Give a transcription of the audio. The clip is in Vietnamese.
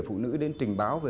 để phụ nữ đến trình báo